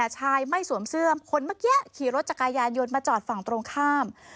ชายไม่สวมเสื้อคนเมื่อกี้ขี่รถจักรยานยนต์มาจอดฝั่งตรงข้าม